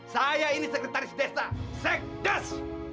saya ini sekretaris desa sekdas